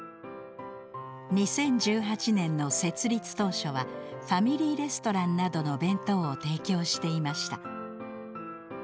２０１８年の設立当初はファミリーレストランなどの弁当を提供していました。